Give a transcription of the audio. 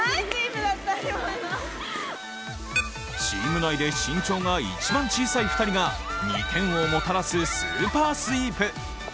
チーム内で身長が一番小さい２人が２点をもたらすスーパースイープ。